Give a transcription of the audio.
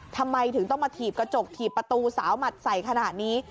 ทำไมถึงต้องมาถีบกระจกถีบประตูสาวหมัดใส่ขนาดนี้